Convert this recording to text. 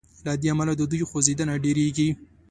له دې امله د دوی خوځیدنه ډیریږي.